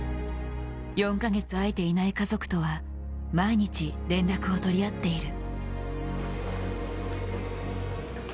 ４カ月会えていない家族とは毎日連絡を取り合っている。